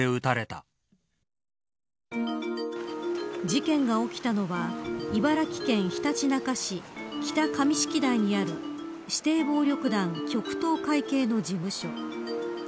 事件が起きたのは茨城県ひたちなか市北神敷台にある指定暴力団、極東会系の事務所。